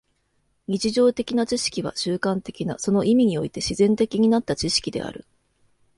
日常的な知識は習慣的な、その意味において自然的になった知識である。